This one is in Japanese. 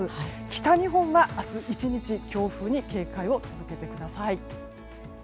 北日本は明日１日強風に警戒を続けてください。